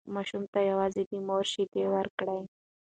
ماشوم ته یوازې د مور شیدې ورکړئ.